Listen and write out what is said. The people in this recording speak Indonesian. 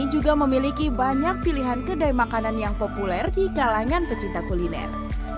ini juga memiliki banyak pilihan kedai makanan yang populer di kalangan pecinta kuliner